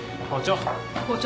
校長。